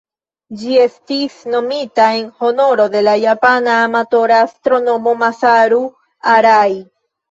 Ĝi estis nomita en honoro de la japana amatora astronomo Masaru Arai.